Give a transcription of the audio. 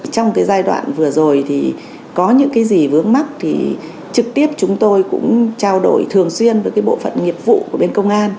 trong giai đoạn vừa rồi thì có những cái gì vướng mắt thì trực tiếp chúng tôi cũng trao đổi thường xuyên với bộ phận nghiệp vụ của bên công an